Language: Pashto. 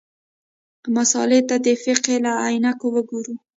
مسألې ته د فقهې له عینکو وګورو.